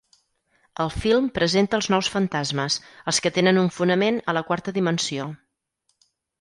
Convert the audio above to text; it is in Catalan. El film presenta els nous fantasmes: els que tenen un fonament a la quarta dimensió.